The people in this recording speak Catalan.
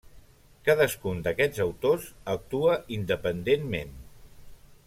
Cadascun d'aquests autors actuà independentment.